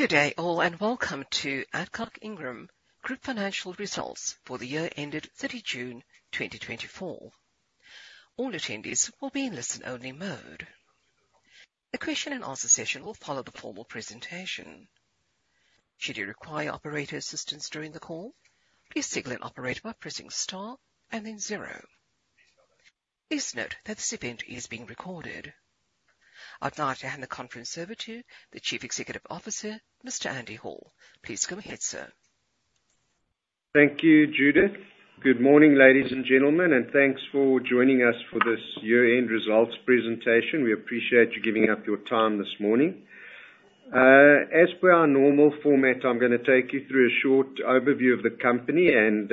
Good day all, and welcome to Adcock Ingram Group Financial Results for the year ended 30 June, 2024. All attendees will be in listen-only mode. A question and answer session will follow the formal presentation. Should you require operator assistance during the call, please signal an operator by pressing star and then zero. Please note that this event is being recorded. I'd now like to hand the conference over to the Chief Executive Officer, Mr. Andy Hall. Please go ahead, sir. Thank you, Judith. Good morning, ladies and gentlemen, and thanks for joining us for this year-end results presentation. We appreciate you giving up your time this morning. As per our normal format, I'm gonna take you through a short overview of the company and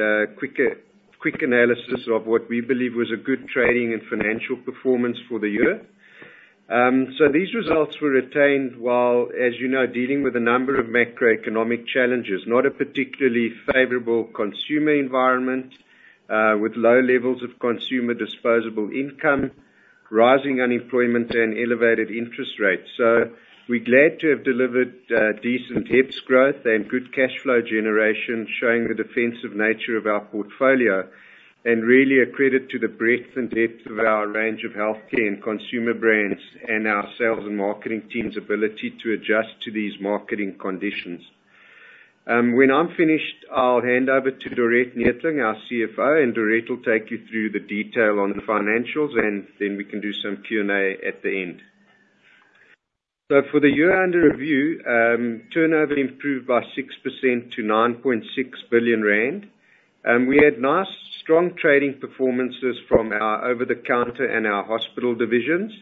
quick analysis of what we believe was a good trading and financial performance for the year. These results were retained while, as you know, dealing with a number of macroeconomic challenges, not a particularly favorable consumer environment, with low levels of consumer disposable income, rising unemployment and elevated interest rates. We're glad to have delivered decent HEPS growth and good cashflow generation, showing the defensive nature of our portfolio, and really a credit to the breadth and depth of our range of healthcare and consumer brands, and our sales and marketing team's ability to adjust to these market conditions. When I'm finished, I'll hand over to Dorette Neethling, our CFO, and Dorette will take you through the detail on the financials, and then we can do some Q&A at the end. So for the year under review, turnover improved by 6% to 9.6 billion rand. We had nice, strong trading performances from our over-the-counter and our hospital divisions.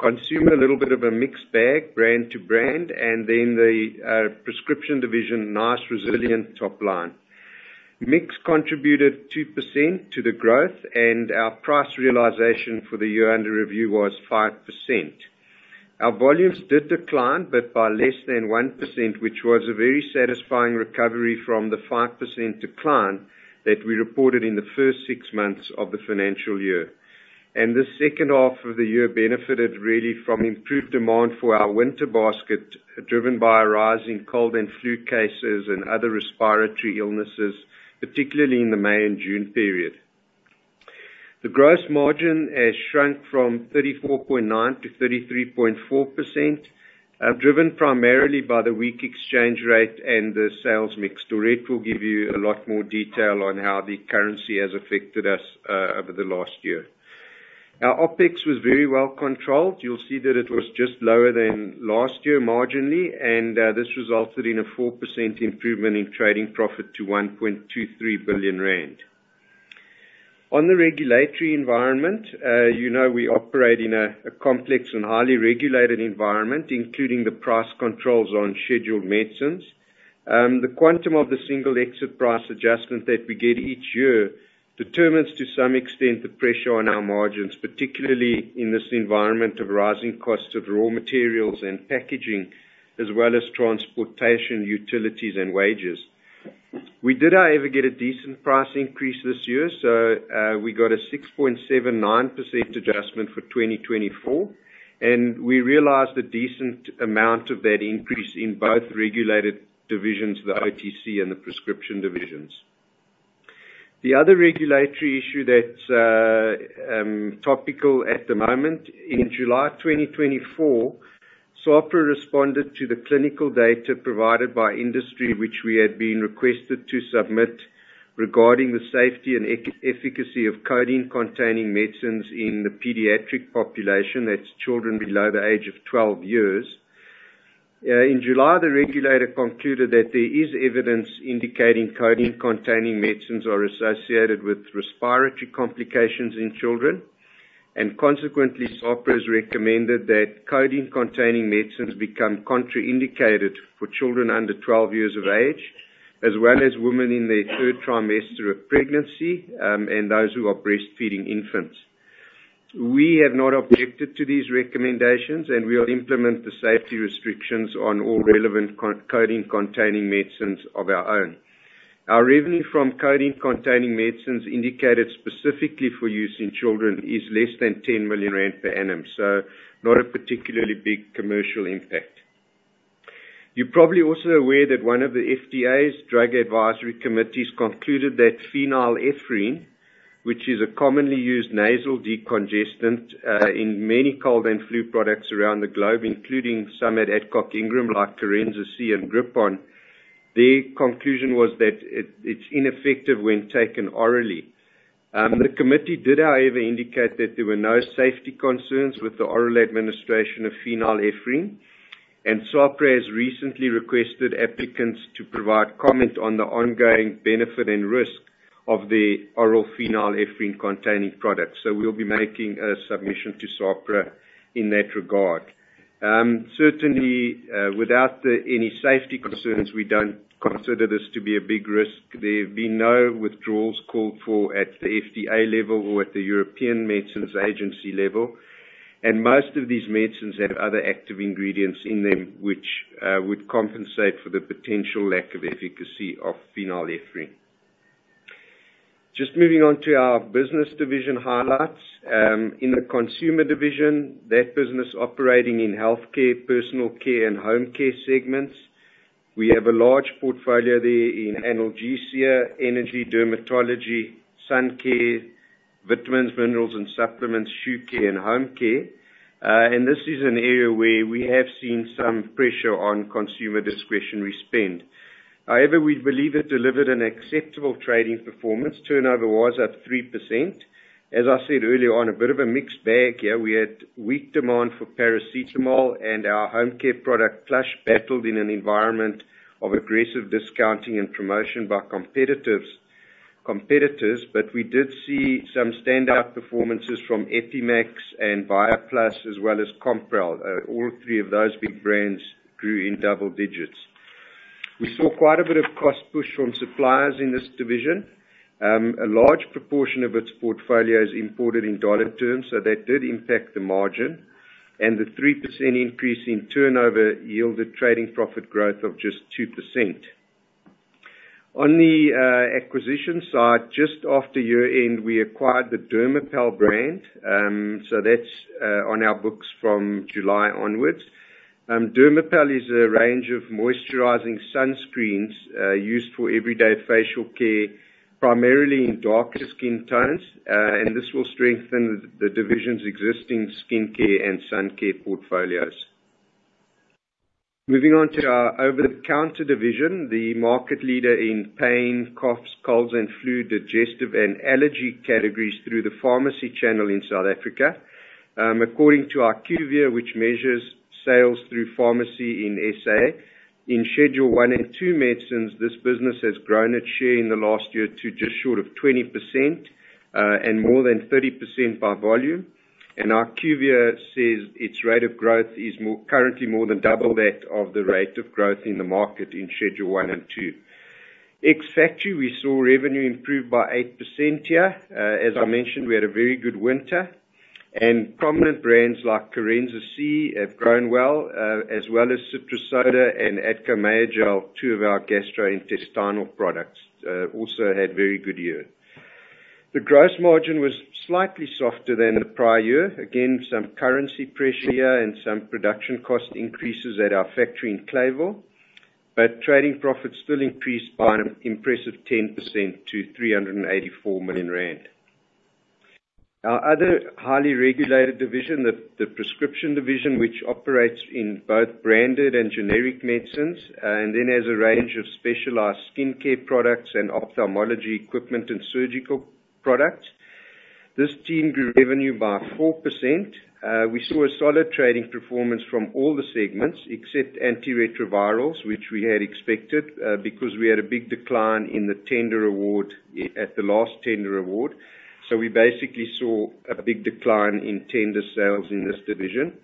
Consumer, a little bit of a mixed bag, brand to brand, and then the prescription division, nice, resilient top line. Mix contributed 2% to the growth, and our price realization for the year under review was 5%. Our volumes did decline, but by less than 1%, which was a very satisfying recovery from the 5% decline that we reported in the first six months of the financial year, and the second half of the year benefited really from improved demand for our winter basket, driven by a rise in cold and flu cases and other respiratory illnesses, particularly in the May and June period. The gross margin has shrunk from 34.9% to 33.4%, driven primarily by the weak exchange rate and the sales mix. Dorette will give you a lot more detail on how the currency has affected us, over the last year. Our OpEx was very well controlled. You'll see that it was just lower than last year, marginally, and, this resulted in a 4% improvement in trading profit to 1.23 billion rand. On the regulatory environment, you know, we operate in a, a complex and highly regulated environment, including the price controls on scheduled medicines. The quantum of the single exit price adjustment that we get each year determines, to some extent, the pressure on our margins, particularly in this environment of rising costs of raw materials and packaging, as well as transportation, utilities, and wages. We did however get a decent price increase this year, so, we got a 6.79% adjustment for 2024, and we realized a decent amount of that increase in both regulated divisions, the OTC and the prescription divisions. The other regulatory issue that's topical at the moment, in July 2024, SAHPRA responded to the clinical data provided by industry, which we had been requested to submit regarding the safety and efficacy of codeine-containing medicines in the pediatric population, that's children below the age of twelve years. In July, the regulator concluded that there is evidence indicating codeine-containing medicines are associated with respiratory complications in children, and consequently, SAHPRA has recommended that codeine-containing medicines become contraindicated for children under twelve years of age, as well as women in their third trimester of pregnancy, and those who are breastfeeding infants. We have not objected to these recommendations, and we will implement the safety restrictions on all relevant codeine-containing medicines of our own. Our revenue from codeine-containing medicines indicated specifically for use in children is less than 10 million rand per annum, so not a particularly big commercial impact. You're probably also aware that one of the FDA's drug advisory committees concluded that phenylephrine, which is a commonly used nasal decongestant, in many cold and flu products around the globe, including some at Adcock Ingram, like Corenza C and Grippon. Their conclusion was that it's ineffective when taken orally. The committee did, however, indicate that there were no safety concerns with the oral administration of phenylephrine, and SAHPRA has recently requested applicants to provide comment on the ongoing benefit and risk of the oral phenylephrine-containing products. So we'll be making a submission to SAHPRA in that regard. Certainly, without any safety concerns, we don't consider this to be a big risk. There have been no withdrawals called for at the FDA level or at the European Medicines Agency level, and most of these medicines have other active ingredients in them, which would compensate for the potential lack of efficacy of phenylephrine. Just moving on to our business division highlights. In the consumer division, that business operating in healthcare, personal care, and home care segments. We have a large portfolio there in analgesia, energy, dermatology, sun care, vitamins, minerals, and supplements, shoe care, and home care. And this is an area where we have seen some pressure on consumer discretionary spend. However, we believe it delivered an acceptable trading performance. Turnover was up 3%. As I said earlier on, a bit of a mixed bag here. We had weak demand for paracetamol, and our home care product, Plush, battled in an environment of aggressive discounting and promotion by competitors, but we did see some standout performances from Epi-max and BioPlus, as well as Compral. All three of those big brands grew in double digits. We saw quite a bit of cost push from suppliers in this division. A large proportion of its portfolio is imported in dollar terms, so that did impact the margin, and the 3% increase in turnover yielded trading profit growth of just 2%. On the acquisition side, just after year-end, we acquired the Dermopal brand. So that's on our books from July onwards. Dermopal is a range of moisturizing sunscreens used for everyday facial care, primarily in darker skin tones. And this will strengthen the division's existing skincare and sun care portfolios. Moving on to our over-the-counter division, the market leader in pain, coughs, colds, and flu, digestive and allergy categories through the pharmacy channel in South Africa. According to IQVIA, which measures sales through pharmacy in SA, in Schedule One and Two medicines, this business has grown its share in the last year to just short of 20%, and more than 30% by volume. And IQVIA says its rate of growth is currently more than double that of the rate of growth in the market in Schedule One and Two. Ex-factory, we saw revenue improve by 8% here. As I mentioned, we had a very good winter, and prominent brands like Corenza C have grown well, as well as Citra-Soda and Adco-Mayogel, two of our gastrointestinal products, also had very good year. The gross margin was slightly softer than the prior year. Again, some currency pressure here and some production cost increases at our factory in Clayville, but trading profits still increased by an impressive 10% to 384 million rand. Our other highly regulated division, the prescription division, which operates in both branded and generic medicines, and then has a range of specialized skincare products and ophthalmology equipment and surgical products. This team grew revenue by 4%. We saw a solid trading performance from all the segments except antiretrovirals, which we had expected, because we had a big decline in the tender award at the last tender award. So we basically saw a big decline in tender sales in this division.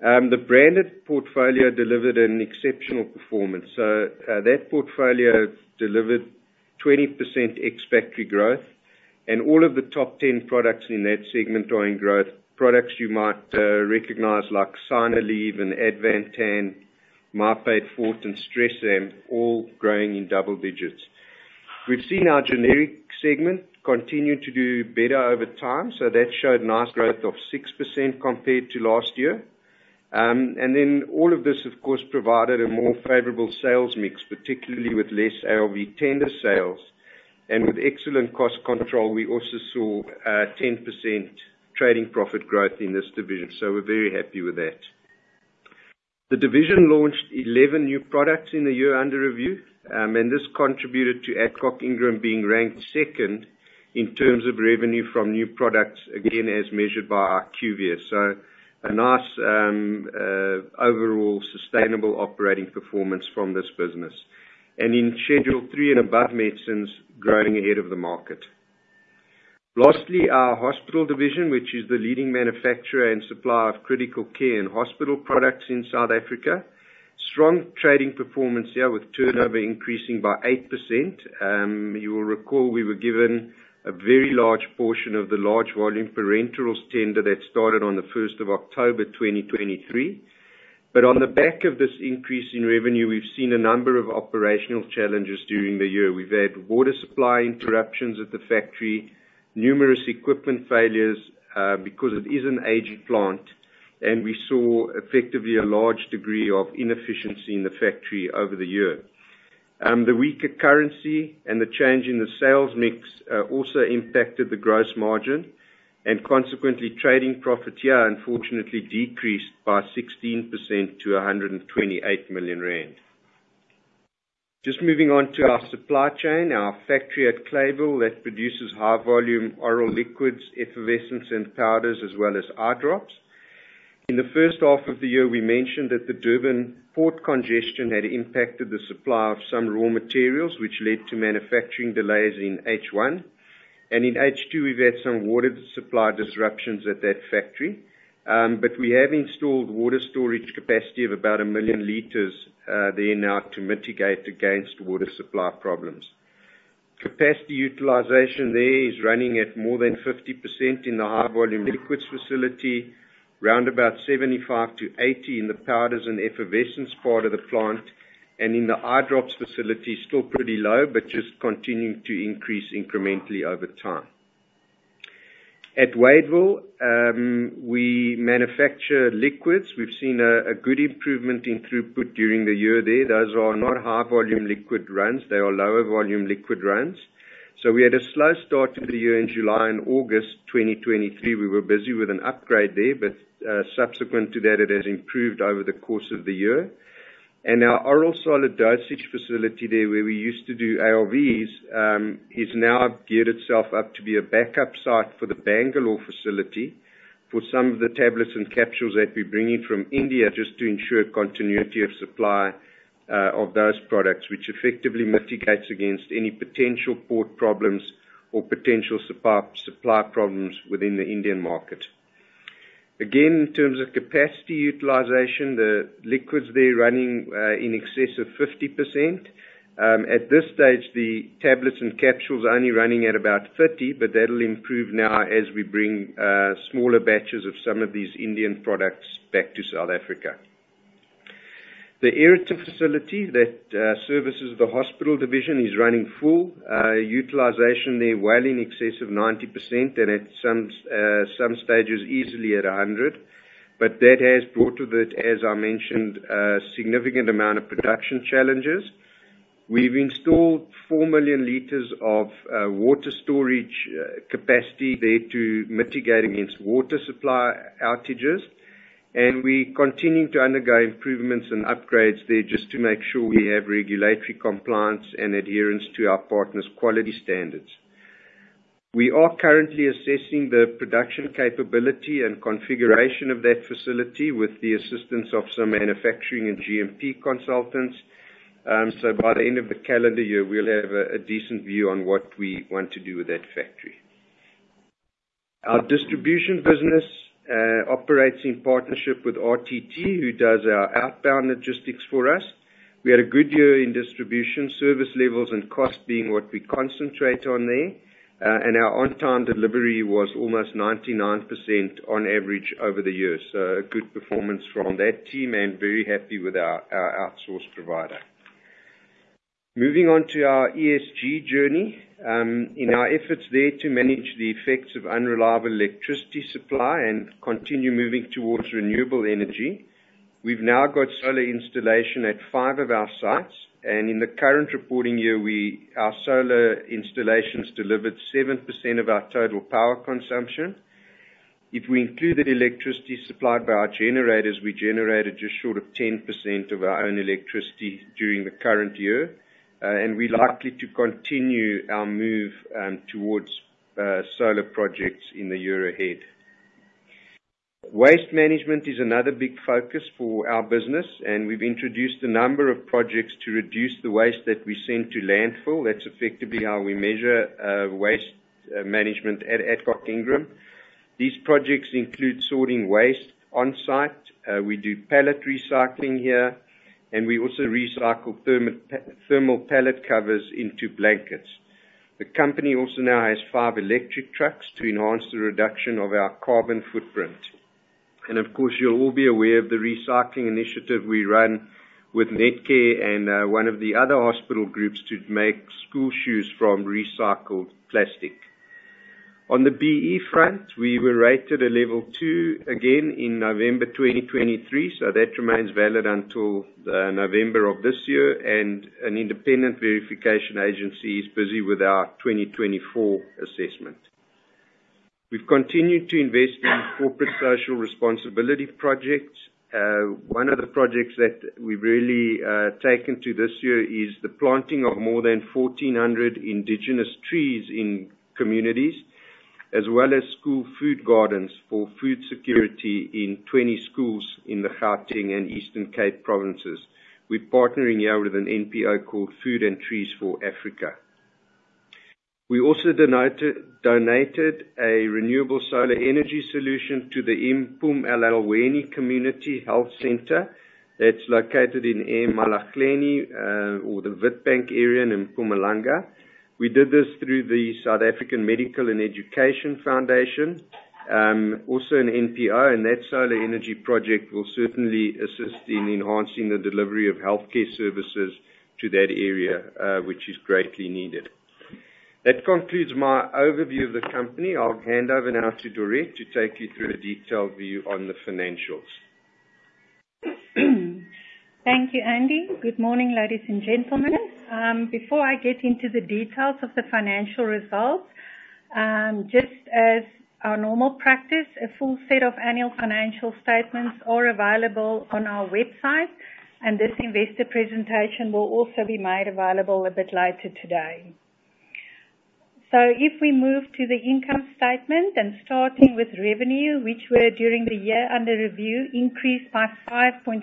The branded portfolio delivered an exceptional performance. So, that portfolio delivered 20% ex-factory growth, and all of the top 10 products in that segment are in growth. Products you might recognize, like Synaleve and Advantan, Mypaid Forte, and Stresam, all growing in double digits. We've seen our generic segment continue to do better over time, so that showed nice growth of 6% compared to last year. And then all of this, of course, provided a more favorable sales mix, particularly with less LVP tender sales, and with excellent cost control, we also saw 10% trading profit growth in this division, so we're very happy with that. The division launched 11 new products in the year under review, and this contributed to Adcock Ingram being ranked second in terms of revenue from new products, again, as measured by IQVIA. So a nice overall sustainable operating performance from this business, and in Schedule Three and above medicines, growing ahead of the market. Lastly, our hospital division, which is the leading manufacturer and supplier of critical care and hospital products in South Africa. Strong trading performance here, with turnover increasing by 8%. You will recall we were given a very large portion of the large volume parenterals tender that started on the 1st of October, 2023. But on the back of this increase in revenue, we've seen a number of operational challenges during the year. We've had water supply interruptions at the factory, numerous equipment failures, because it is an aging plant, and we saw effectively a large degree of inefficiency in the factory over the year. The weaker currency and the change in the sales mix also impacted the gross margin, and consequently, trading profits here unfortunately decreased by 16% to 128 million rand. Just moving on to our supply chain, our factory at Clayville, that produces high volume oral liquids, effervescents, and powders, as well as eye drops. In the first half of the year, we mentioned that the Durban port congestion had impacted the supply of some raw materials, which led to manufacturing delays in H1, and in H2, we've had some water supply disruptions at that factory, but we have installed water storage capacity of about a million liters there now to mitigate against water supply problems. Capacity utilization there is running at more than 50% in the high volume liquids facility, round about 75-80% in the powders and effervescents part of the plant and in the eye drops facility, still pretty low, but just continuing to increase incrementally over time. At Wadeville, we manufacture liquids. We've seen a good improvement in throughput during the year there. Those are not high volume liquid runs, they are lower volume liquid runs. We had a slow start to the year in July and August 2023. We were busy with an upgrade there, but subsequent to that, it has improved over the course of the year. Our oral solid dosage facility there, where we used to do ARVs, has now geared itself up to be a backup site for the Bangalore facility, for some of the tablets and capsules that we're bringing from India, just to ensure continuity of supply of those products, which effectively mitigates against any potential port problems or potential supply problems within the Indian market. Again, in terms of capacity utilization, the liquids there running in excess of 50%. At this stage, the tablets and capsules are only running at about 30, but that'll improve now as we bring smaller batches of some of these Indian products back to South Africa. The Aeroton facility that services the hospital division is running full. Utilization there well in excess of 90%, and at some stages, easily at 100%. But that has brought with it, as I mentioned, a significant amount of production challenges. We've installed 4 million liters of water storage capacity there to mitigate against water supply outages, and we continuing to undergo improvements and upgrades there, just to make sure we have regulatory compliance and adherence to our partners' quality standards. We are currently assessing the production capability and configuration of that facility, with the assistance of some manufacturing and GMP consultants. So by the end of the calendar year, we'll have a decent view on what we want to do with that factory. Our distribution business operates in partnership with RTT, who does our outbound logistics for us. We had a good year in distribution, service levels and cost being what we concentrate on there, and our on-time delivery was almost 99% on average over the years. So a good performance from that team, and very happy with our outsource provider. Moving on to our ESG journey. In our efforts there to manage the effects of unreliable electricity supply and continue moving towards renewable energy, we've now got solar installation at five of our sites, and in the current reporting year, our solar installations delivered 7% of our total power consumption. If we include the electricity supplied by our generators, we generated just short of 10% of our own electricity during the current year, and we're likely to continue our move towards solar projects in the year ahead. Waste management is another big focus for our business, and we've introduced a number of projects to reduce the waste that we send to landfill. That's effectively how we measure waste management at Adcock Ingram. These projects include sorting waste on-site. We do pallet recycling here, and we also recycle thermal pallet covers into blankets. The company also now has five electric trucks to enhance the reduction of our carbon footprint. And of course, you'll all be aware of the recycling initiative we run with Netcare and one of the other hospital groups, to make school shoes from recycled plastic. On the BE front, we were rated a level two again in November 2023, so that remains valid until November of this year, and an independent verification agency is busy with our 2024 assessment. We've continued to invest in corporate social responsibility projects. One of the projects that we've really taken to this year is the planting of more than 1,400 indigenous trees in communities, as well as school food gardens for food security in 20 schools in the Gauteng and Eastern Cape provinces. We're partnering here with an NPO called Food and Trees for Africa. We also donated a renewable solar energy solution to the Impumelelweni Community Health Center. That's located in eMalahleni, or the Witbank area in Mpumalanga. We did this through the South African Medical and Education Foundation, also an NPO, and that solar energy project will certainly assist in enhancing the delivery of healthcare services to that area, which is greatly needed. That concludes my overview of the company. I'll hand over now to Dorette, to take you through a detailed view on the financials. Thank you, Andy. Good morning, ladies and gentlemen. Before I get into the details of the financial results, just as our normal practice, a full set of annual financial statements are available on our website, and this investor presentation will also be made available a bit later today. So if we move to the income statement, and starting with revenue, which were, during the year under review, increased by 5.6%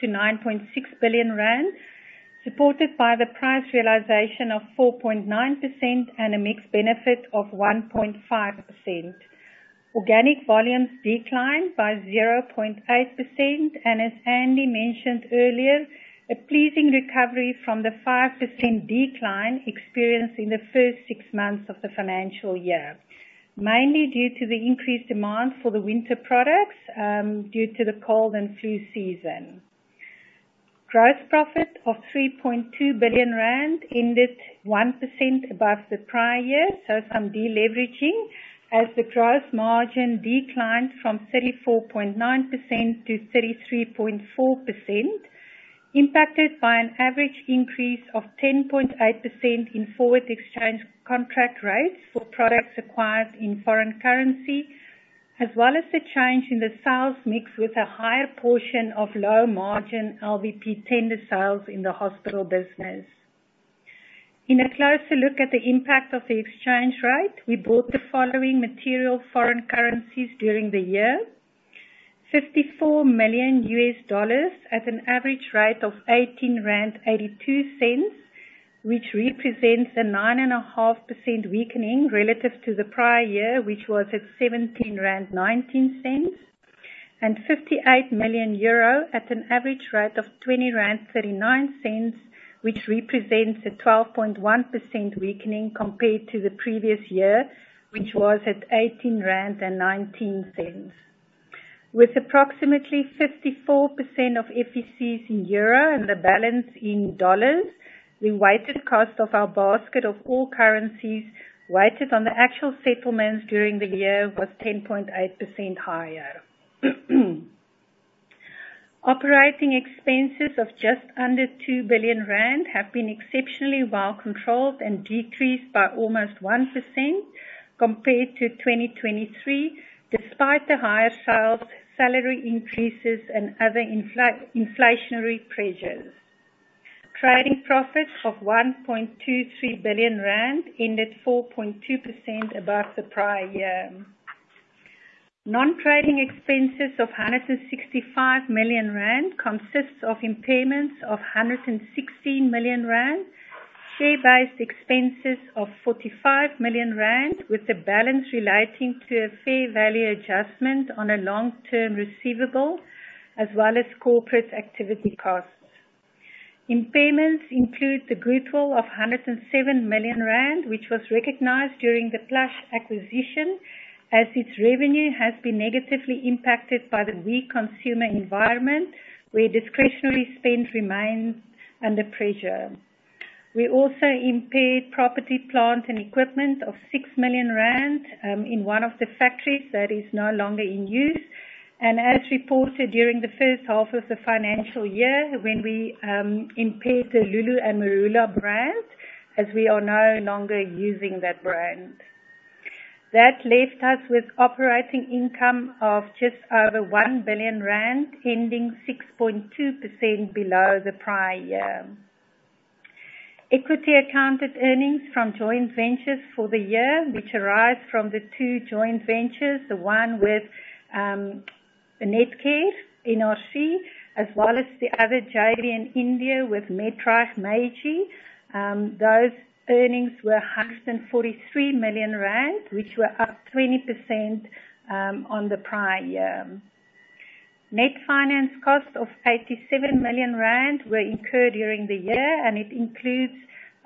to 9.6 billion rand, supported by the price realization of 4.9% and a mixed benefit of 1.5%. Organic volumes declined by 0.8%, and as Andy mentioned earlier, a pleasing recovery from the 5% decline experienced in the first six months of the financial year, mainly due to the increased demand for the winter products, due to the cold and flu season. Gross profit of 3.2 billion rand ended 1% above the prior year, so some deleveraging, as the gross margin declined from 34.9% to 33.4%, impacted by an average increase of 10.8% in forward exchange contract rates for products acquired in foreign currency, as well as the change in the sales mix with a higher portion of low margin LVP tender sales in the hospital business. In a closer look at the impact of the exchange rate, we bought the following material foreign currencies during the year: 54 million US dollars at an average rate of 18.82 rand, which represents a 9.5% weakening relative to the prior year, which was at 17.19 rand, and 58 million euro at an average rate of 20.39 rand, which represents a 12.1% weakening compared to the previous year, which was at 18.19 rand. With approximately 54% of FECs in euro and the balance in dollars, the weighted cost of our basket of all currencies, weighted on the actual settlements during the year, was 10.8% higher. Operating expenses of just under 2 billion rand have been exceptionally well controlled and decreased by almost 1% compared to 2023, despite the higher sales, salary increases and other inflationary pressures. Trading profits of 1.23 billion rand ended 4.2% above the prior year. Non-trading expenses of 165 million rand consists of impairments of 116 million rand, share-based expenses of 45 million rand, with the balance relating to a fair value adjustment on a long-term receivable, as well as corporate activity costs. Impairments include the goodwill of 107 million rand, which was recognized during the Plush acquisition, as its revenue has been negatively impacted by the weak consumer environment, where discretionary spend remains under pressure. We also impaired property, plant and equipment of 6 million rand in one of the factories that is no longer in use, and as reported during the first half of the financial year, when we impaired the Lulu and Marula brand, as we are no longer using that brand. That left us with operating income of just over 1 billion rand, ending 6.2% below the prior year. Equity accounted earnings from joint ventures for the year, which arise from the two joint ventures, the one with Netcare, NRC, as well as the other JV in India with Medopharm. Those earnings were 143 million rand, which were up 20% on the prior year. Net finance costs of 87 million rand were incurred during the year, and it includes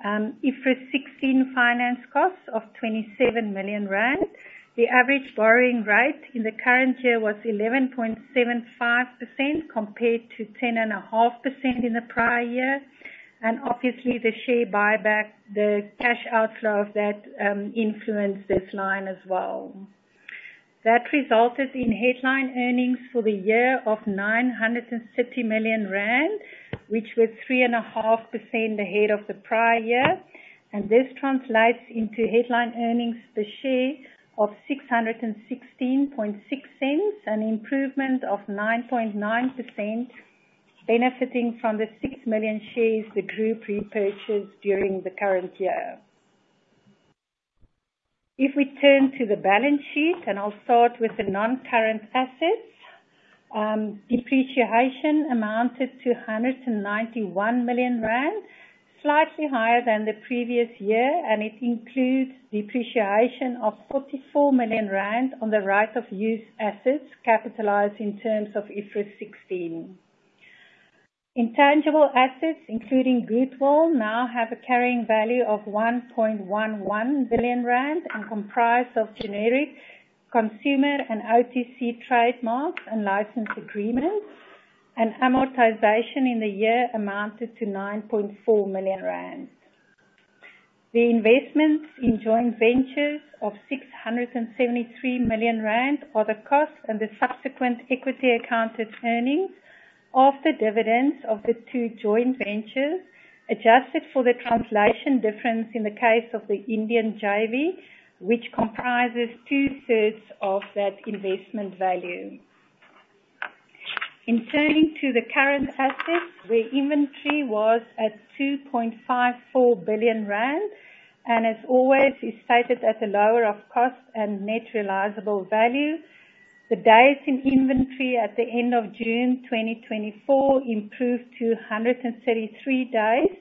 IFRS 16 finance costs of 27 million rand. The average borrowing rate in the current year was 11.75%, compared to 10.5% in the prior year, and obviously the share buyback, the cash outflow of that, influenced this line as well. That resulted in headline earnings for the year of 930 million rand, which was 3.5% ahead of the prior year, and this translates into headline earnings per share of 6.166, an improvement of 9.9%, benefiting from the 6 million shares the group repurchased during the current year. If we turn to the balance sheet, and I'll start with the non-current assets, depreciation amounted to 191 million rand, slightly higher than the previous year, and it includes depreciation of 44 million rand on the right of use assets capitalized in terms of IFRS 16. Intangible assets, including goodwill, now have a carrying value of 1.11 billion rand and comprise of generic, consumer, and OTC trademarks and license agreements, and amortization in the year amounted to 9.4 million rand. The investments in joint ventures of 673 million rand are the cost and the subsequent equity accounted earnings of the dividends of the two joint ventures, adjusted for the translation difference in the case of the Indian JV, which comprises 2/3 of that investment value. In turning to the current assets, where inventory was at 2.54 billion rand, and as always, is stated at the lower of cost and net realizable value. The days in inventory at the end of June 2024 improved to 133 days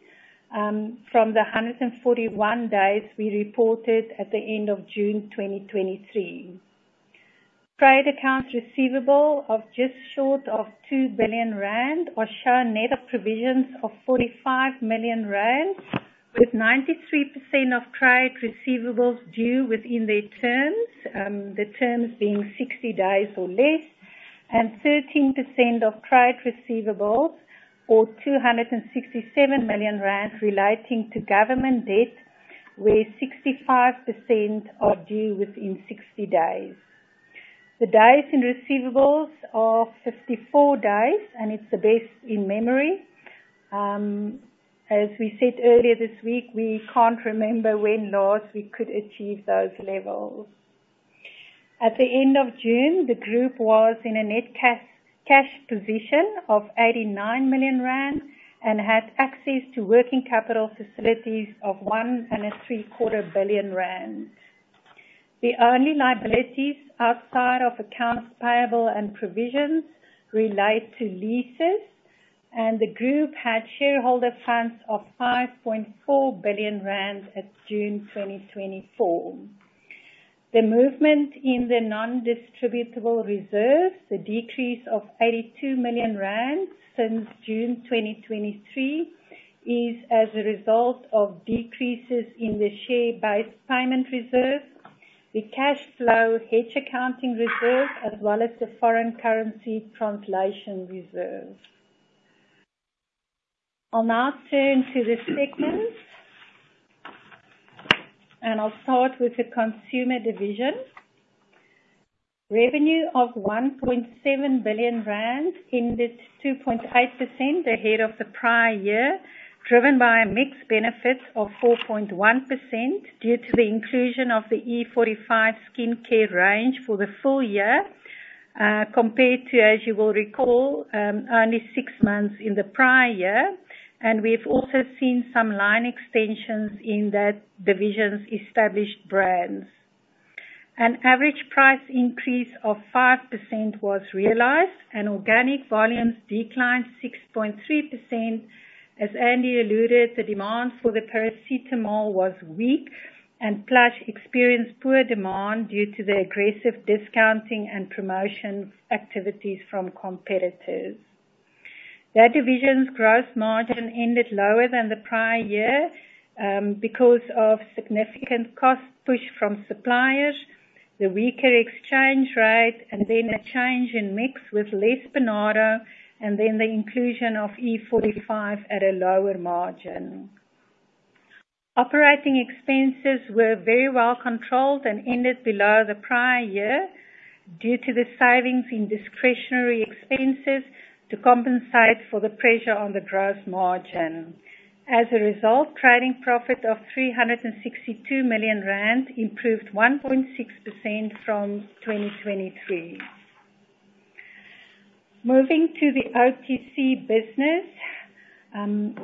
from the 141 days we reported at the end of June 2023. Trade accounts receivable of just short of 2 billion rand or show a net of provisions of 45 million rand.... with 93% of trade receivables due within their terms, the terms being 60 days or less, and 13% of trade receivables, or 267 million rand relating to government debt, where 65% are due within 60 days. The days in receivables are 54 days, and it's the best in memory. As we said earlier this week, we can't remember when last we could achieve those levels. At the end of June, the group was in a net cash position of 89 million rand and had access to working capital facilities of 1.75 billion rand. The only liabilities outside of accounts payable and provisions relate to leases, and the group had shareholder funds of 5.4 billion rand at June 2024. The movement in the non-distributable reserves, the decrease of 82 million rand since June 2023, is as a result of decreases in the share-based payment reserve, the cash flow hedge accounting reserve, as well as the foreign currency translation reserve. I'll now turn to the segments, and I'll start with the consumer division. Revenue of 1.7 billion rand ended 2.8% ahead of the prior year, driven by a mix benefit of 4.1% due to the inclusion of the E45 skincare range for the full year, compared to, as you will recall, only six months in the prior year. And we've also seen some line extensions in that division's established brands. An average price increase of 5% was realized, and organic volumes declined 6.3%. As Andy alluded, the demand for the paracetamol was weak, and Plush experienced poor demand due to the aggressive discounting and promotion activities from competitors. That division's gross margin ended lower than the prior year, because of significant cost push from suppliers, the weaker exchange rate, and then a change in mix with less Panado, and then the inclusion of E45 at a lower margin. Operating expenses were very well controlled and ended below the prior year due to the savings in discretionary expenses to compensate for the pressure on the gross margin. As a result, trading profit of 362 million rand improved 1.6% from 2023. Moving to the OTC business, sales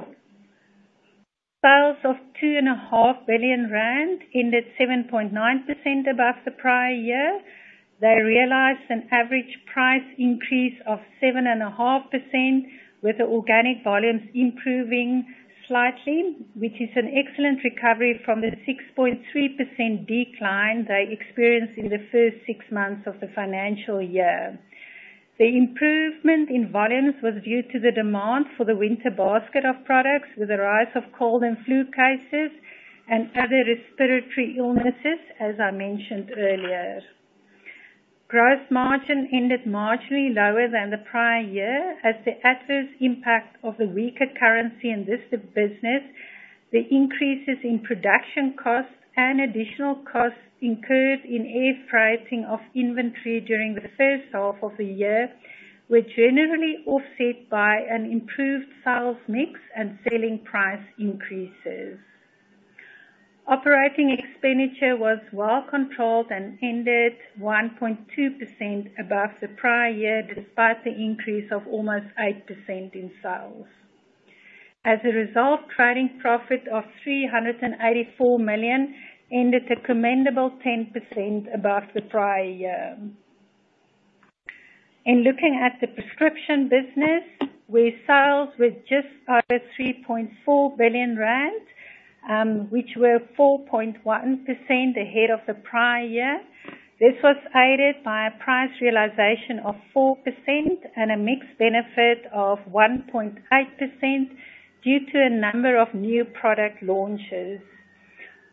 of 2.5 billion rand ended 7.9% above the prior year. They realized an average price increase of 7.5%, with the organic volumes improving slightly, which is an excellent recovery from the 6.3% decline they experienced in the 1st six months of the financial year. The improvement in volumes was due to the demand for the winter basket of products, with the rise of cold and flu cases and other respiratory illnesses, as I mentioned earlier. Gross margin ended marginally lower than the prior year, as the adverse impact of the weaker currency in this business, the increases in production costs and additional costs incurred in air freighting of inventory during the first half of the year, were generally offset by an improved sales mix and selling price increases. Operating expenditure was well controlled and ended 1.2% above the prior year, despite the increase of almost 8% in sales. As a result, trading profit of 384 million ended a commendable 10% above the prior year. In looking at the prescription business, where sales were just over 3.4 billion rand, which were 4.1% ahead of the prior year. This was aided by a price realization of 4% and a mix benefit of 1.8% due to a number of new product launches.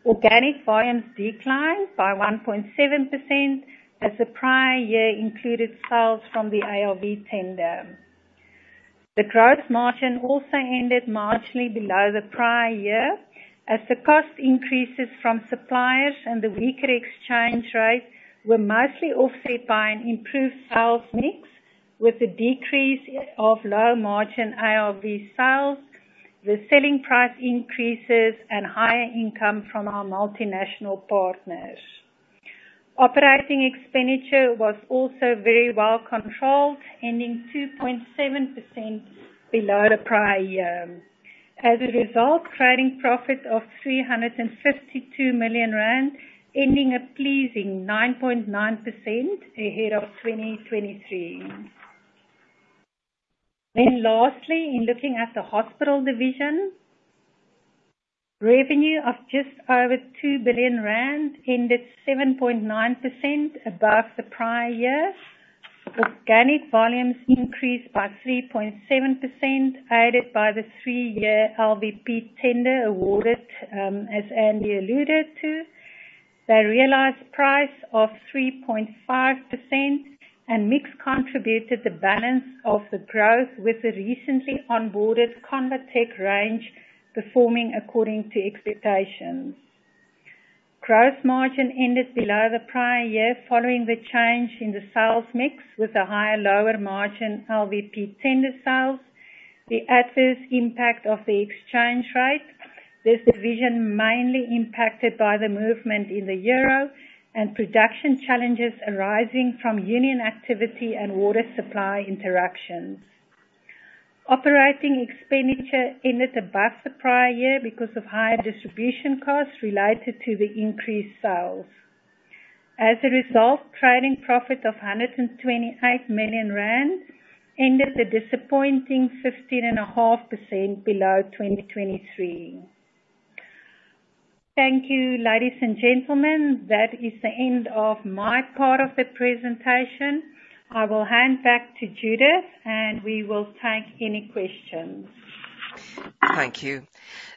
Organic volumes declined by 1.7%, as the prior year included sales from the ARV tender. The gross margin also ended marginally below the prior year, as the cost increases from suppliers and the weaker exchange rate were mostly offset by an improved sales mix, with the decrease of low-margin ARV sales, the selling price increases, and higher income from our multinational partners. Operating expenditure was also very well controlled, ending 2.7% below the prior year. As a result, trading profit of 352 million rand, ending a pleasing 9.9% ahead of 2023. Then lastly, in looking at the hospital division, revenue of just over 2 billion rand ended 7.9% above the prior year. Organic volumes increased by 3.7%, aided by the three-year LVP tender awarded, as Andy alluded to. The realized price of 3.5% and mix contributed the balance of the growth with the recently onboarded ConvaTec range, performing according to expectations. Gross margin ended below the prior year, following the change in the sales mix, with a higher, lower margin LVP tender sales, the adverse impact of the exchange rate. This division mainly impacted by the movement in the euro and production challenges arising from union activity and water supply interruptions. Operating expenditure ended above the prior year because of higher distribution costs related to the increased sales. As a result, trading profit of 128 million rand ended a disappointing 15.5% below 2023. Thank you, ladies and gentlemen. That is the end of my part of the presentation. I will hand back to Judith, and we will take any questions. Thank you.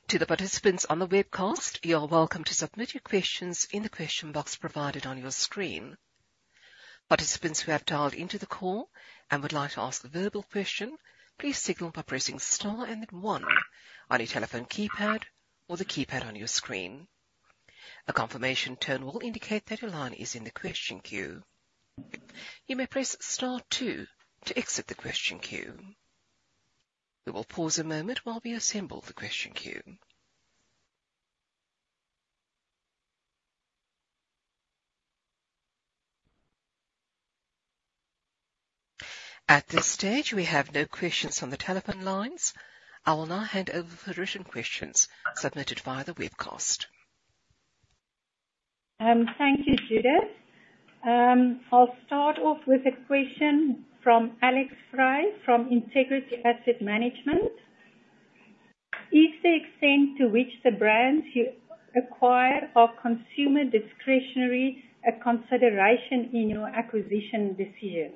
To the participants on the webcast, you are welcome to submit your questions in the question box provided on your screen. Participants who have dialed into the call and would like to ask a verbal question, please signal by pressing star and then one on your telephone keypad or the keypad on your screen. A confirmation tone will indicate that your line is in the question queue. You may press star two to exit the question queue. We will pause a moment while we assemble the question queue. At this stage, we have no questions on the telephone lines. I will now hand over the written questions submitted via the webcast. Thank you, Judith. I'll start off with a question from Alex Fry from Integrity Asset Management. Is the extent to which the brands you acquire are consumer discretionary, a consideration in your acquisition decision?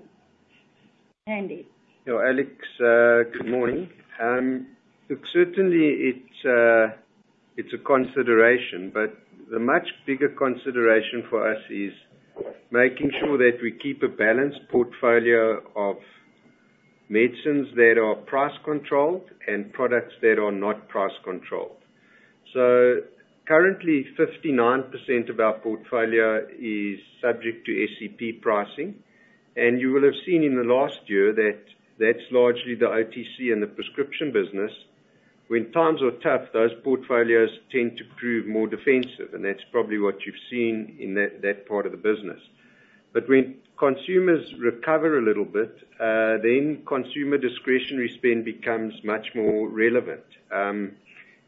Andy? Yeah, Alex, good morning. Look, certainly it's a consideration, but the much bigger consideration for us is making sure that we keep a balanced portfolio of medicines that are price controlled and products that are not price controlled. So currently, 59% of our portfolio is subject to SEP pricing, and you will have seen in the last year that that's largely the OTC and the prescription business. When times are tough, those portfolios tend to prove more defensive, and that's probably what you've seen in that part of the business. But when consumers recover a little bit, then consumer discretionary spend becomes much more relevant. And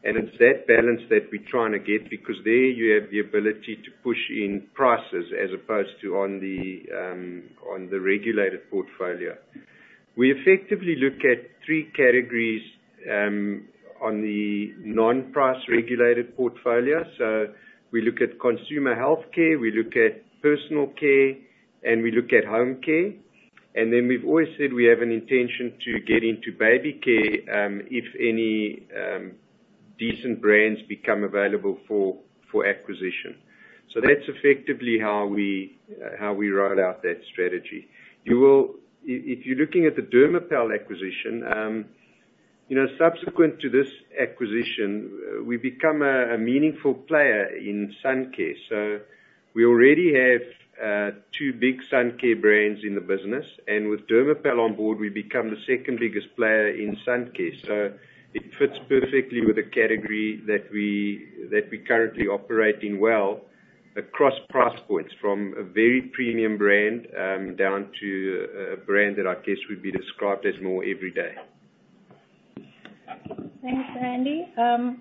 it's that balance that we're trying to get, because there you have the ability to push in prices as opposed to on the regulated portfolio. We effectively look at three categories on the non-price regulated portfolio. So we look at consumer healthcare, we look at personal care, and we look at home care. And then we've always said we have an intention to get into baby care, if any decent brands become available for acquisition. So that's effectively how we roll out that strategy. If you're looking at the Dermopal acquisition, you know, subsequent to this acquisition, we've become a meaningful player in sun care. So we already have two big sun care brands in the business, and with Dermopal on board, we've become the second biggest player in sun care. So it fits perfectly with the category that we currently operate in well, across price points, from a very premium brand, down to a brand that I guess would be described as more every day. Thanks, Andy.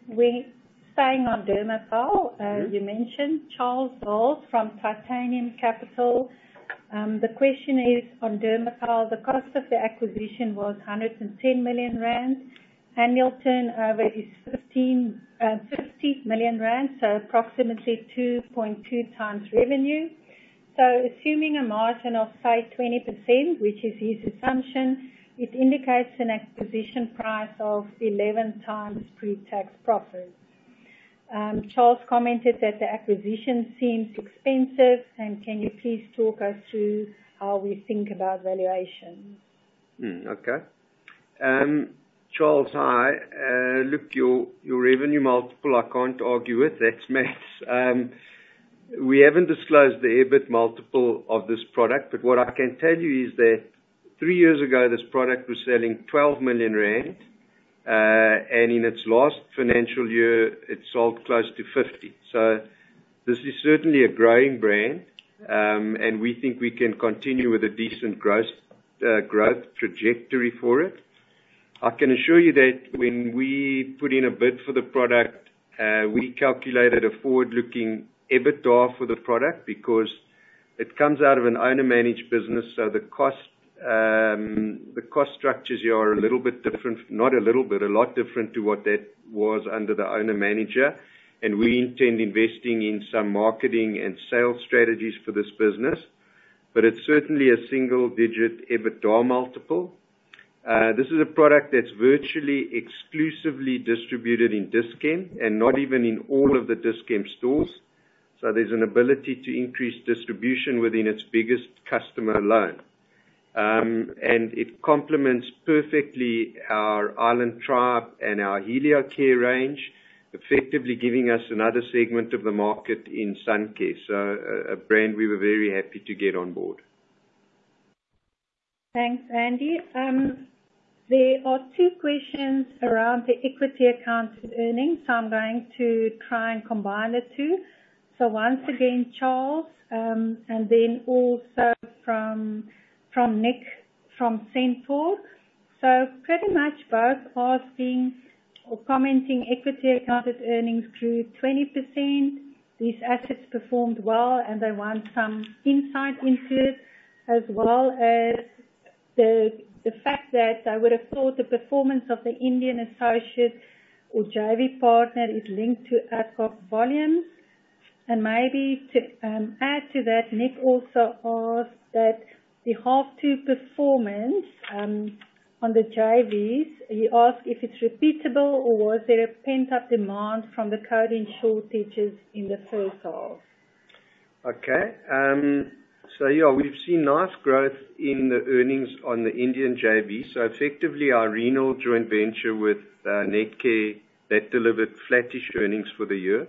We staying on Dermopal, you mentioned Charles Wells from Titanium Capital. The question is, on Dermopal, the cost of the acquisition was 110 million rand. Annual turnover is 15-50 million rand, so approximately 2.2 times revenue. So assuming a margin of, say, 20%, which is his assumption, it indicates an acquisition price of 11x pretax profit. Charles commented that the acquisition seems expensive, and can you please talk us through how we think about valuation? Okay. Charles, hi. Look, your revenue multiple, I can't argue with. That's math. We haven't disclosed the EBIT multiple of this product, but what I can tell you is that three years ago, this product was selling 12 million rand, and in its last financial year, it sold close to 50 million ZAR. So this is certainly a growing brand, and we think we can continue with a decent growth trajectory for it. I can assure you that when we put in a bid for the product, we calculated a forward-looking EBITDA for the product because it comes out of an owner-managed business, so the cost. The cost structures here are a little bit different, not a little bit, a lot different to what that was under the owner-manager, and we intend investing in some marketing and sales strategies for this business. But it's certainly a single digit EBITDA multiple. This is a product that's virtually exclusively distributed in Dis-Chem, and not even in all of the Dis-Chem stores. So there's an ability to increase distribution within its biggest customer alone. And it complements perfectly our Island Tribe and our Heliocare range, effectively giving us another segment of the market in sun care. So, a brand we were very happy to get on board. Thanks, Andy. There are two questions around the equity accounted earnings, so I'm going to try and combine the two. So once again, Charles, and then also from Nick, from Centaur. So pretty much both asking or commenting equity accounted earnings grew 20%. These assets performed well, and they want some insight into it, as well as the fact that they would have thought the performance of the Indian associate or JV partner is linked to Adcock volumes. And maybe to add to that, Nick also asked that the half two performance on the JVs, he asked if it's repeatable or was there a pent-up demand from the COVID shortages in the first half? Okay. So yeah, we've seen nice growth in the earnings on the Indian JV. So effectively, our renal joint venture with Netcare that delivered flattish earnings for the year.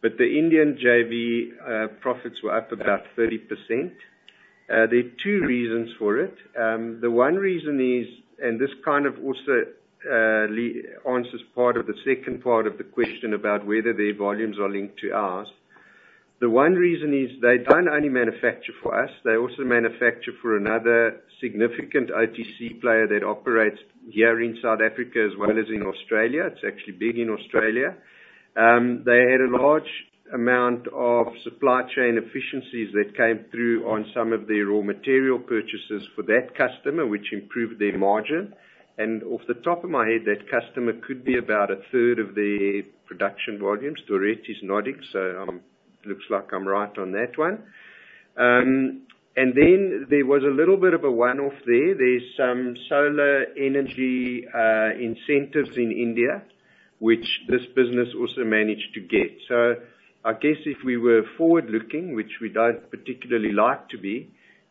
But the Indian JV profits were up about 30%. There are two reasons for it. The one reason is, and this kind of also answers part of the second part of the question about whether their volumes are linked to ours. The one reason is they don't only manufacture for us, they also manufacture for another significant OTC player that operates here in South Africa as well as in Australia. It's actually big in Australia. They had a large amount of supply chain efficiencies that came through on some of their raw material purchases for that customer, which improved their margin, and off the top of my head, that customer could be about a third of their production volumes. Dorette is nodding, so looks like I'm right on that one. And then there was a little bit of a one-off there. There's some solar energy incentives in India, which this business also managed to get. I guess if we were forward-looking, which we don't particularly like to be,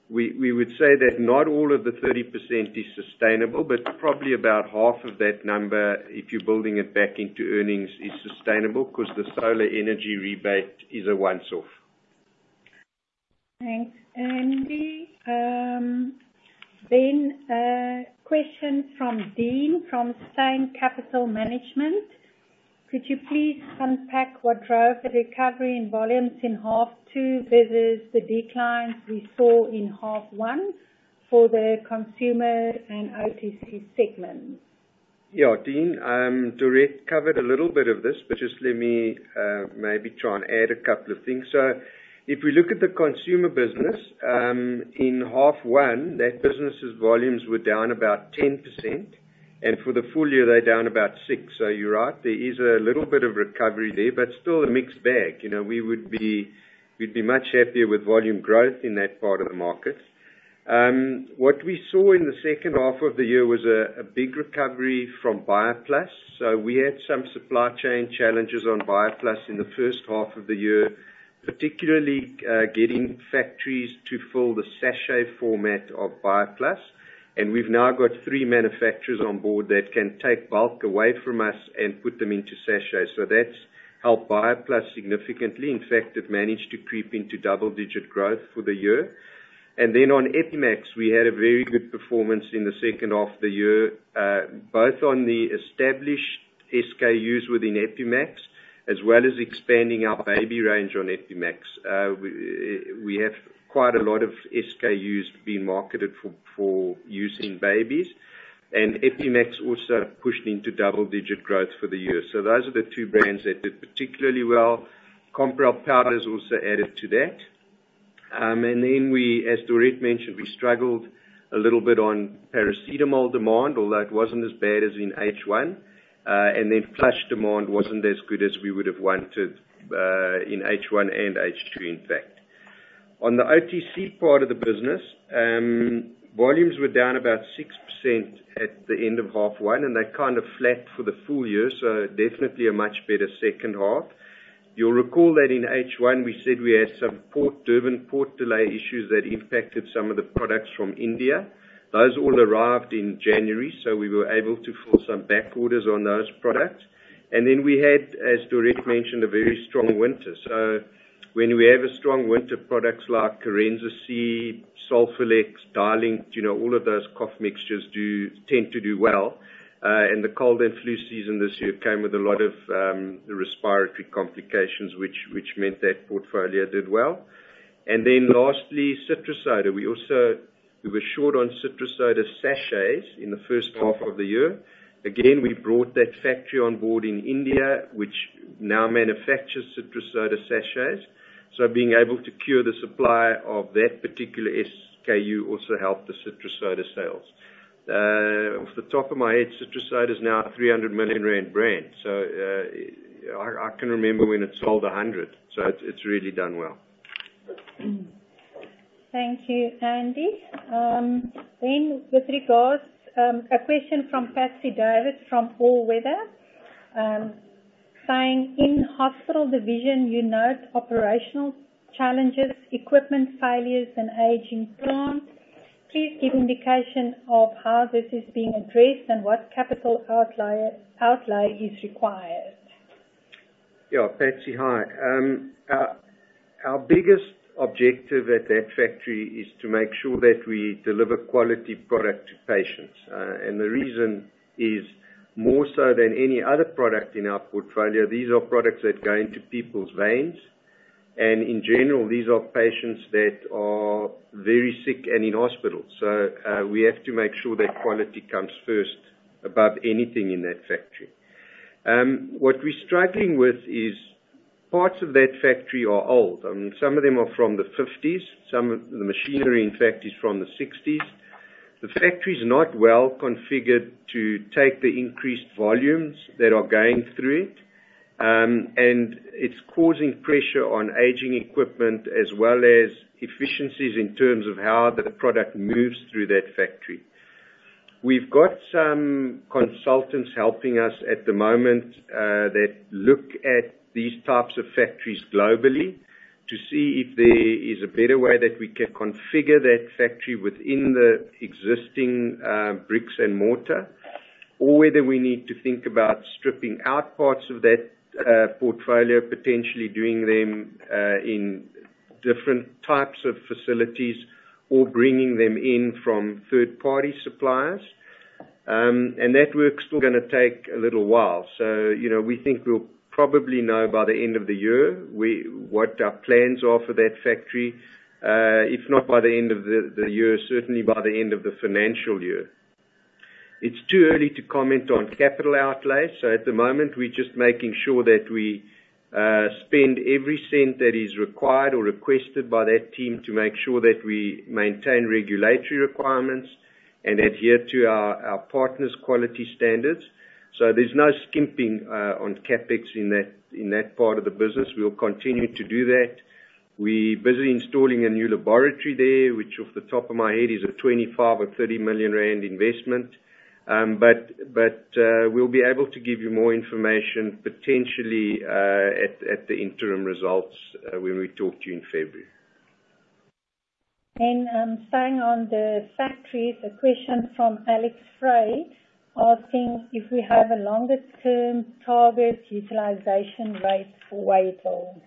we would say that not all of the 30% is sustainable, but probably about half of that number, if you're building it back into earnings, is sustainable, because the solar energy rebate is a once off. Thanks, Andy. Then, question from Dean, from Steyn Capital Management: Could you please unpack what drove the recovery in volumes in half two versus the declines we saw in half one for the consumer and OTC segments? Yeah, Dean, Dorette covered a little bit of this, but just let me maybe try and add a couple of things. So if we look at the consumer business in half one, that business's volumes were down about 10%, and for the full year, they're down about 6%. So you're right, there is a little bit of recovery there, but still a mixed bag. You know, we'd be much happier with volume growth in that part of the market. What we saw in the second half of the year was a big recovery from BioPlus. So we had some supply chain challenges on BioPlus in the first half of the year, particularly getting factories to fill the sachet format of BioPlus. We've now got three manufacturers on board that can take bulk away from us and put them into sachets. So that's helped BioPlus significantly. In fact, it managed to creep into double-digit growth for the year. Then on Epi-max, we had a very good performance in the second half of the year, both on the established SKUs within Epi-max, as well as expanding our baby range on Epi-max. We have quite a lot of SKUs being marketed for use in babies, and Epi-max also pushed into double-digit growth for the year. Those are the two brands that did particularly well. Compral Powders also added to that. Then we, as Dorette mentioned, we struggled a little bit on paracetamol demand, although it wasn't as bad as in H1. And then Plush demand wasn't as good as we would have wanted in H1 and H2, in fact. On the OTC part of the business, volumes were down about 6% at the end of half one, and they're kind of flat for the full year, so definitely a much better second half. You'll recall that in H1, we said we had some Durban port delay issues that impacted some of the products from India. Those all arrived in January, so we were able to fill some back orders on those products. And then we had, as Dorette mentioned, a very strong winter. So when we have a strong winter, products like Corenza C, Solphyllex, Dilinct, you know, all of those cough mixtures do tend to do well. And the cold and flu season this year came with a lot of respiratory complications, which meant that portfolio did well. And then lastly, Citra-Soda. We also were short on Citra-Soda sachets in the first half of the year. Again, we brought that factory on board in India, which now manufactures Citra-Soda sachets, so being able to secure the supply of that particular SKU also helped the Citra-Soda sales. Off the top of my head, Citra-Soda is now a 300 million rand brand. So, I can remember when it sold 100, so it's really done well. Thank you, Andy. Then, with regards to a question from Patsy David, from All Weather. Saying, "In hospital division, you note operational challenges, equipment failures, and aging plants. Please give indication of how this is being addressed and what capital outlay is required. Yeah, Patsy, hi. Our biggest objective at that factory is to make sure that we deliver quality product to patients, and the reason is, more so than any other product in our portfolio, these are products that go into people's veins, and in general, these are patients that are very sick and in hospital, so we have to make sure that quality comes first above anything in that factory. What we're struggling with is parts of that factory are old, some of them are from the 1950s. Some of the machinery, in fact, is from the 1960s. The factory is not well configured to take the increased volumes that are going through it, and it's causing pressure on aging equipment as well as efficiencies in terms of how the product moves through that factory. We've got some consultants helping us at the moment that look at these types of factories globally, to see if there is a better way that we can configure that factory within the existing bricks and mortar. Or whether we need to think about stripping out parts of that portfolio, potentially doing them in different types of facilities, or bringing them in from third party suppliers, and that work's still gonna take a little while. So, you know, we think we'll probably know by the end of the year what our plans are for that factory. If not by the end of the year, certainly by the end of the financial year. It's too early to comment on capital outlay, so at the moment, we're just making sure that we spend every cent that is required or requested by that team to make sure that we maintain regulatory requirements, and adhere to our partners' quality standards, so there's no skimping on CapEx in that part of the business. We will continue to do that. We're busy installing a new laboratory there, which off the top of my head is a 25-30 million rand investment, but we'll be able to give you more information, potentially, at the interim results when we talk to you in February. Staying on the factories, a question from Alex Fry, asking if we have a longer term target utilization rate for Wadeville?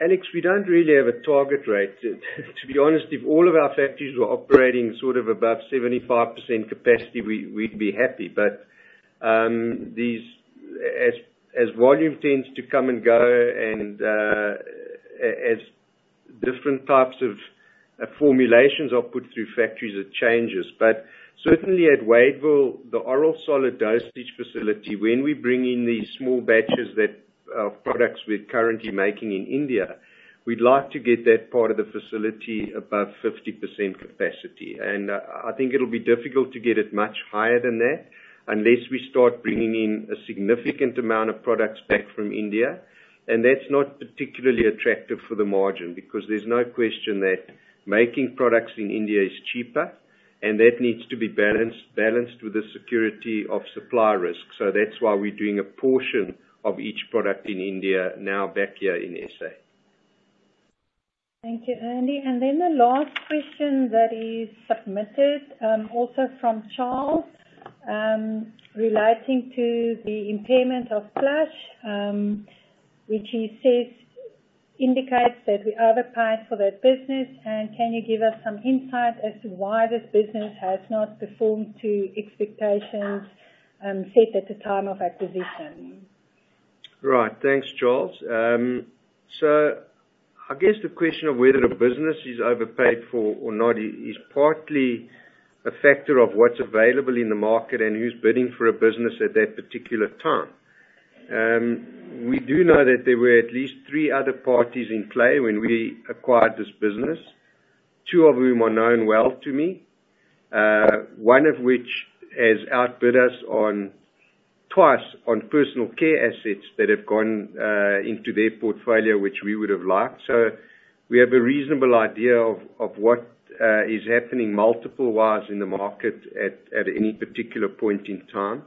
Alex, we don't really have a target rate. To be honest, if all of our factories were operating sort of above 75% capacity, we'd be happy. But as volume tends to come and go, and as different types of formulations are put through factories, it changes. But certainly at Wadeville, the oral solid dosage facility, when we bring in these small batches of products we're currently making in India, we'd like to get that part of the facility above 50% capacity. I think it'll be difficult to get it much higher than that, unless we start bringing in a significant amount of products back from India. And that's not particularly attractive for the margin, because there's no question that making products in India is cheaper, and that needs to be balanced with the security of supply risk. So that's why we're doing a portion of each product in India now, back here in SA. Thank you, Andy. And then the last question that is submitted, also from Charles, relating to the impairment of Plush, which he says indicates that we overpaid for that business. And can you give us some insight as to why this business has not performed to expectations, set at the time of acquisition? Right. Thanks, Charles. So I guess the question of whether a business is overpaid for or not is partly a factor of what's available in the market, and who's bidding for a business at that particular time. We do know that there were at least three other parties in play when we acquired this business, two of whom are known well to me. One of which has outbid us on twice, on personal care assets that have gone into their portfolio, which we would have liked. So we have a reasonable idea of what is happening multiple-wise in the market at any particular point in time.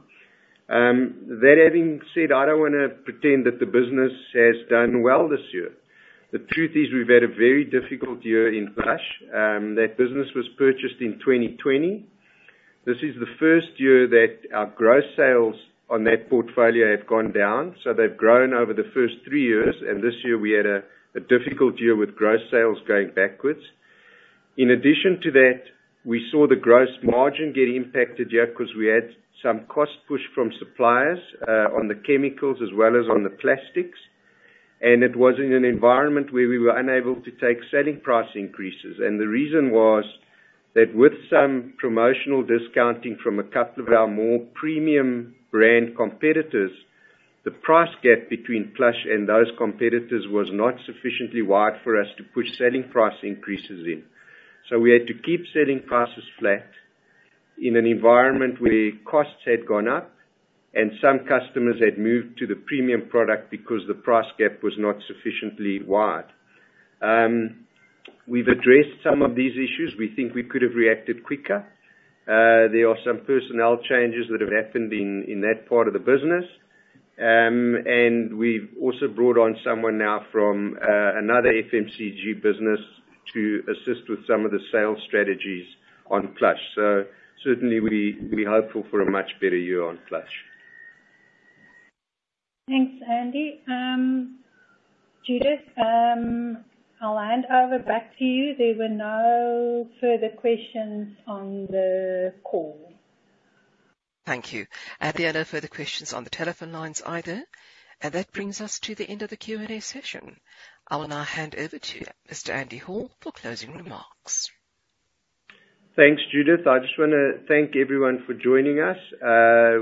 That having said, I don't wanna pretend that the business has done well this year. The truth is, we've had a very difficult year in Plush. That business was purchased in 2020. This is the first year that our gross sales on that portfolio have gone down. So they've grown over the first three years, and this year we had a difficult year with gross sales going backwards. In addition to that, we saw the gross margin get impacted here, 'cause we had some cost push from suppliers on the chemicals as well as on the plastics. And it was in an environment where we were unable to take selling price increases. And the reason was, that with some promotional discounting from a couple of our more premium brand competitors, the price gap between Plush and those competitors was not sufficiently wide for us to push selling price increases in. So we had to keep selling prices flat in an environment where costs had gone up, and some customers had moved to the premium product because the price gap was not sufficiently wide. We've addressed some of these issues. We think we could have reacted quicker. There are some personnel changes that have happened in that part of the business. And we've also brought on someone now from another FMCG business to assist with some of the sales strategies on Plush. So certainly we're hopeful for a much better year on Plush. Thanks, Andy. Judith, I'll hand over back to you. There were no further questions on the call. Thank you. And there are no further questions on the telephone lines either. And that brings us to the end of the Q&A session. I will now hand over to you, Mr. Andy Hall, for closing remarks. Thanks, Judith. I just wanna thank everyone for joining us.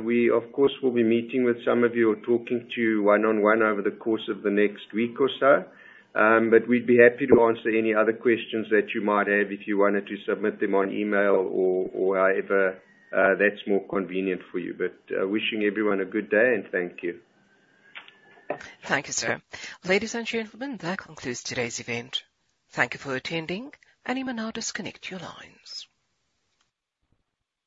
We of course will be meeting with some of you or talking to you one-on-one over the course of the next week or so. But we'd be happy to answer any other questions that you might have, if you wanted to submit them on email or however that's more convenient for you. But, wishing everyone a good day, and thank you. Thank you, sir. Ladies and gentlemen, that concludes today's event. Thank you for attending, and you may now disconnect your lines.